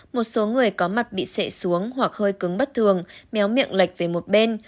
một số người có mặt bị sệ xuống hoặc hơi cứng bất thường méo miệng lệch về một bên